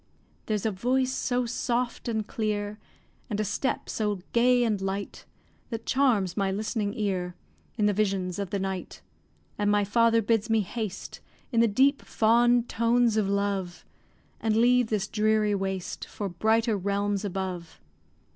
There's a voice so soft and clear, And a step so gay and light, That charms my listening ear In the visions of the night. And my father bids me haste, In the deep, fond tones of love, And leave this dreary waste, For brighter realms above.